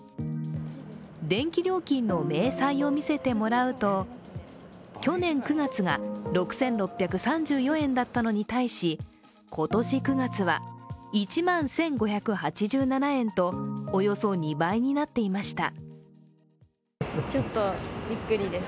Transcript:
電気料金の明細を見せてもらうと、去年９月が６６３４円だったのに対し今年９月は、１万１５８７円とおよそ２倍になっていました。